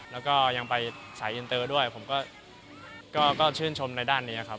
แล้วก็ยังไปสายอินเตอร์ด้วยผมก็ชื่นชมในด้านนี้ครับ